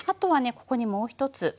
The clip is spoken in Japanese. ここにもう１つ。